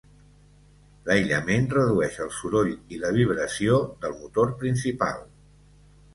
L'aïllament redueix el soroll i la vibració del motor principal.